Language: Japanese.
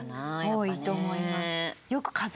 多いと思います。